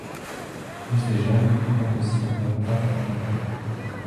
En plus des jeunes, on compte aussi environ vingt accompagnateurs.